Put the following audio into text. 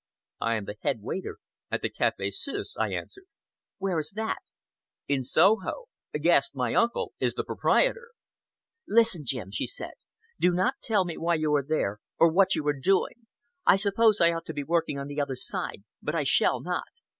"I am the head waiter at the Café Suisse," I answered. "Where is that?" "In Soho! Guest my uncle is the proprietor." "Listen, Jim!" she said. "Do not tell me why you are there, or what you are doing. I suppose I ought to be working on the other side but I shall not.